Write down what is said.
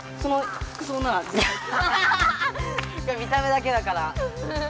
これ見た目だけだから。